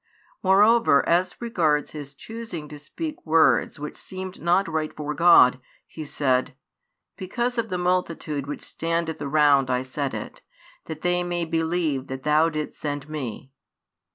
Moreover, as regards His choosing to speak words which seemed not right for God, He said: Because of the multitude which standeth around I said it, that they may believe that Thou didst send Me.